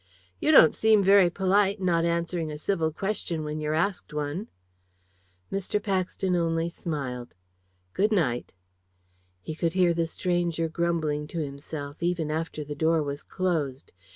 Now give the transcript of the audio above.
"You don't seem very polite, not answering a civil question when you're asked one." Mr. Paxton only smiled. "Good night." He could hear the stranger grumbling to himself, even after the door was closed.